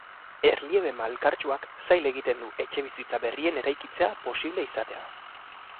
Erliebe malkartsuak zail egiten du etxebizitza berrien eraikitzea posible izatea.